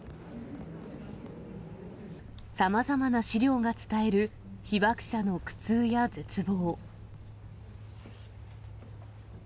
さまざまな資料が伝える、被爆者の苦痛や絶望。